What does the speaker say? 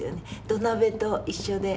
土鍋と一緒で。